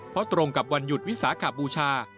เพราะตรงกับวันหยุดวิสาขบูชา